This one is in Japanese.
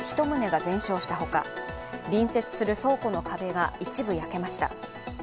１棟が全焼したほか、隣接する倉庫の壁が一部焼けました。